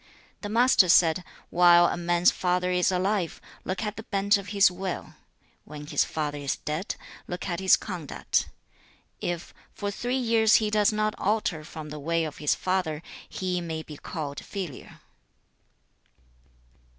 The Master said, 'While a man's father is alive, look at the bent of his will; when his father is dead, look at his conduct. If for three years he does not alter from the way of his father, he may be called filial.'